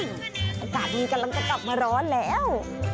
อากาศดีกำลังจะกลับมาร้อนแล้ว